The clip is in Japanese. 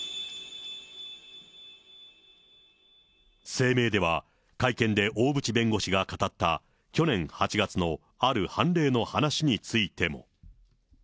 声明では、会見で大渕弁護士が語った、去年８月のある判例の話についても。